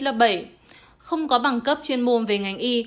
là không có bằng cấp chuyên môn về ngành y